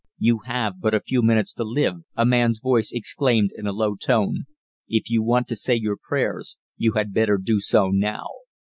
"You have but a few minutes to live," a man's voice exclaimed in a low tone. "If you want to say your prayers, you had better do so now."